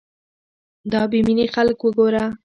دا بې مينې خلک وګوره